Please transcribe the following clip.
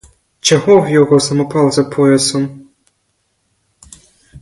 Чого в його самопал за поясом?